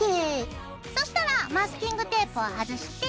そしたらマスキングテープを外して。